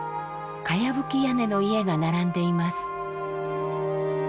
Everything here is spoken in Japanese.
茅葺き屋根の家が並んでいます。